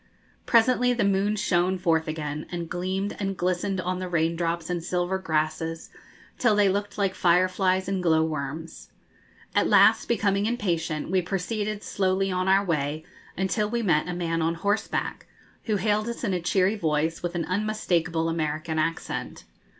Presently the moon shone forth again, and gleamed and glistened on the rain drops and silver grasses till they looked like fireflies and glowworms. At last, becoming impatient, we proceeded slowly on our way, until we met a man on horseback, who hailed us in a cheery voice with an unmistakable American accent.